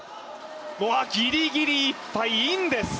ギリギリいっぱい、インです。